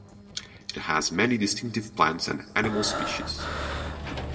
It has many distinctive plant and animal species.